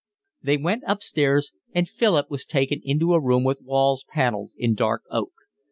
They went upstairs, and Philip was taken into a room with walls panelled in dark oak.